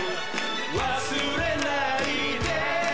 忘れないで